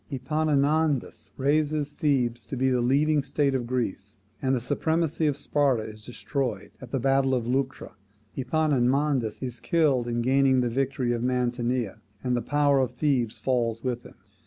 Epaminondas raises Thebes to be the leading state of Greece, and the supremacy of Sparta is destroyed at the battle of Leuctra. Epaminondas is killed in gaining the victory of Mantinea, and the power of Thebes falls with him.